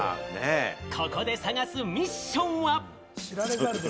ここで探すミッションは。